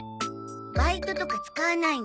バイトとか使わないの。